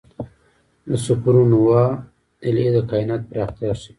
د سوپرنووا Ia د کائنات پراختیا ښيي.